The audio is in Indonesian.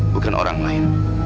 bukan orang lain